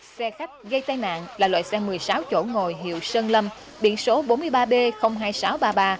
xe khách gây tai nạn là loại xe một mươi sáu chỗ ngồi hiệu sơn lâm biển số bốn mươi ba b hai nghìn sáu trăm ba mươi ba